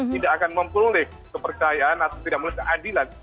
tidak akan memperoleh kepercayaan atau tidak memperoleh keadilan